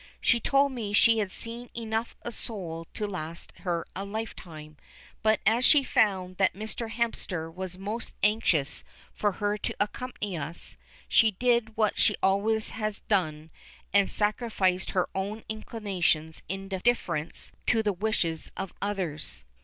She told me she had seen enough of Seoul to last her a lifetime, but as she found that Mr. Hemster was most anxious for her to accompany us, she did what she always had done, and sacrificed her own inclinations in deference to the wishes of others.